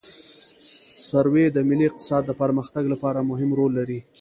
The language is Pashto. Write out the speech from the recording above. سروې د ملي اقتصاد د پرمختګ لپاره مهم رول لري